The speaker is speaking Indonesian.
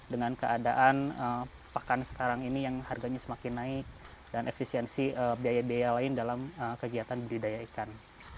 dengan keadaan pakan sekarang ini yang harganya semakin naik dan efisiensi biaya biaya lain dalam kegiatan budidaya ikan